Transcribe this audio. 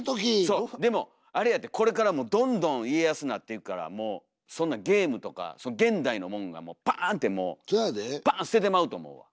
そうでもあれやてこれからもどんどん家康なっていくからもうそんなんゲームとか現代のもんがバーンってもうバーン捨ててまうと思うわ。